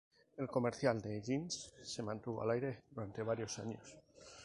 El comercial de jeans se mantuvo al aire durante varios años.